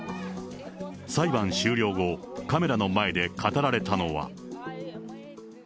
裁判終了後、カメラの前で語られたのは。